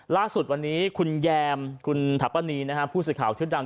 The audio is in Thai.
ล่าสุดวันนี้คุณแยมคุณถัปนีผู้สิทธิ์ข่าวที่ดัง